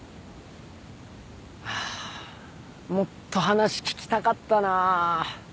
ああもっと話聞きたかったなぁ。